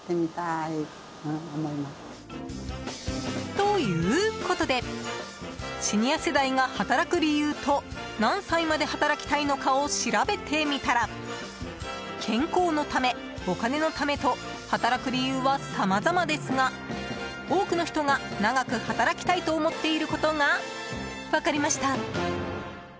ということでシニア世代が働く理由と何歳まで働きたいのかを調べてみたら健康のため、お金のためと働く理由はさまざまですが多くの人が長く働きたいと思っていることが分かりました。